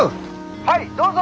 はいどうぞ！